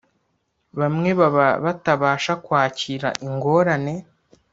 Bamwe baba batabasha kwakira ingorane